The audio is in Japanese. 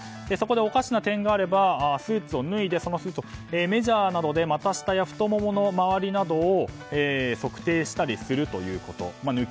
そこでおかしな点があればスーツを脱いでスーツをメジャーなどで股下や太ももの周りなどを測定したりするということです。